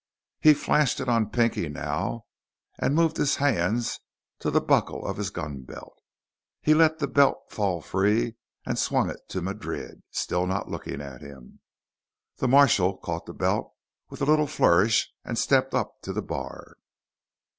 He flashed it on Pinky now and moved his hands to the buckle of his gunbelt. He let the belt fall free and swung it toward Madrid, still not looking at him. The marshal caught the belt with a little flourish and stepped up to the bar.